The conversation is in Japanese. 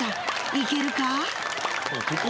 いけるか？